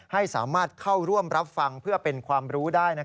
ให้สามารถเข้าร่วมรับฟังเพื่อเป็นความรู้ได้